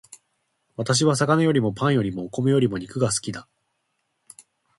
私は魚よりもパンよりもお米よりも肉が好きだ